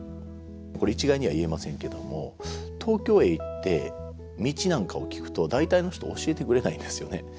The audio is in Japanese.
これ一概には言えませんけども東京へ行って道なんかを聞くと大体の人教えてくれないですよね。